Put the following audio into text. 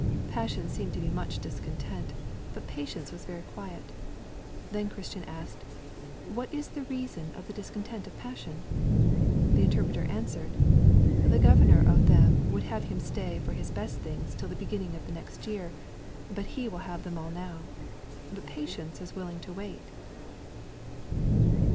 Passion seemed to be much discontent, but Patience was very quiet. Then Christian asked, What is the reason of the discontent of Passion? The interpreter answered, The governor of them would have him stay for his best things till the beginning of the next year; but he will have all now. But Patience is willing to wait.'